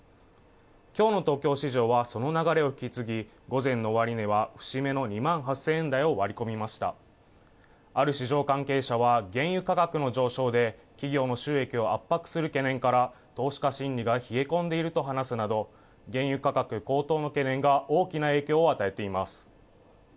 きょうの東京市場はその流れを引き継ぎ午前の終値は節目の２万８０００円台を割り込みましたある市場関係者は原油価格の上昇で企業の収益を圧迫する懸念から投資家心理が冷え込んでいると話すなど原油価格高騰の懸念が大きな影響を与えています